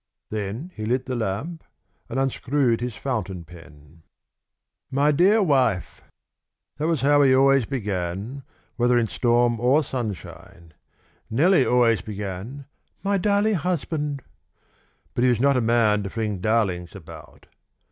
Then he lit the lamp and unscrewed his fountain pen. "My dear wife " That was how he always began, whether in storm or sunshine. Nellie always began, "My darling husband"; but he was not a man to fling darlings about.